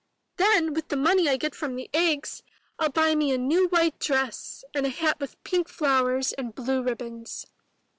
Then with the money I get from the eggs, FU buy me a new white dress and a hat with pink flowers and blue ribbons.